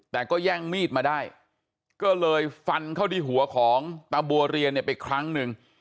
แต่ก็แย่งมีดมาได้ก็เลยฟันเข้าที่หัวของตาบัวเรียนเนี่ยไปครั้งหนึ่ง